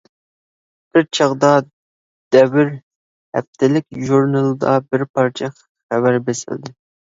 بىر چاغدا «دەۋر» ھەپتىلىك ژۇرنىلىدا بىر پارچە خەۋەر بېسىلدى.